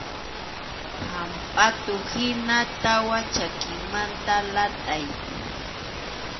Hampʼatuhina tawa chakimanta latʼay.